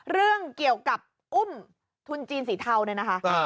เรื่องเกี่ยวกับอุ้มทุนจีนสีเทาเนี่ยนะคะ